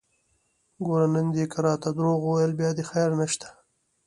ګوره نن دې که راته دروغ وويل بيا دې خير نشته!